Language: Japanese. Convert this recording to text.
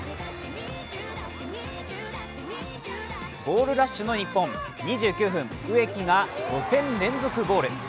ゴールラッシュの日本２９分、植木が５戦連続ゴール。